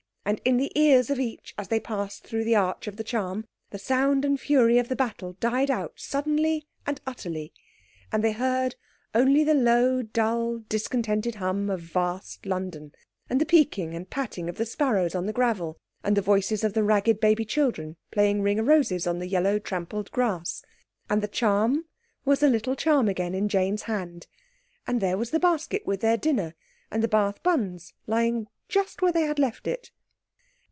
And in the ears of each, as they passed through the arch of the charm, the sound and fury of battle died out suddenly and utterly, and they heard only the low, dull, discontented hum of vast London, and the peeking and patting of the sparrows on the gravel and the voices of the ragged baby children playing Ring o' Roses on the yellow trampled grass. And the charm was a little charm again in Jane's hand, and there was the basket with their dinner and the bathbuns lying just where they had left it.